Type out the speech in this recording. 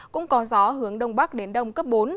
cũng có gió hướng đông bắc đến đông cấp bốn